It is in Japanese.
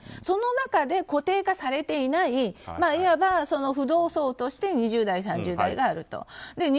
その中で固定化されていないいわば浮動層として２０代、３０代があると。